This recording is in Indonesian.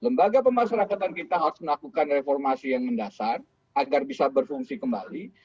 lembaga pemasarakatan kita harus melakukan reformasi yang mendasar agar bisa berfungsi kembali